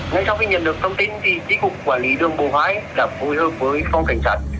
ngay sau khi nhận được thông tin thì trí cục quản lý đường bồ hải đặt hội hợp với phòng cảnh sát